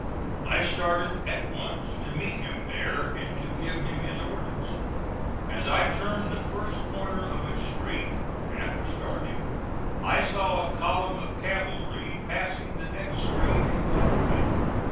I started at once to meet him there and to give him his orders. As I turned the first corner of a street after starting, I saw a column of cavalry passing the next street in front of me.